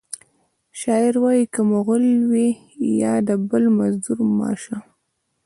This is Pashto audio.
شاعر وایی که د مغل وي یا د بل مزدور مه شه